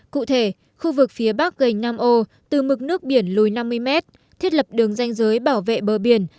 cụ thể khu vực phía bắc gành nam ô từ mực nước biển lùi năm mươi mét thiết lập đường danh giới bảo vệ bờ biển